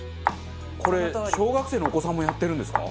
これ小学生のお子さんもやってるんですか？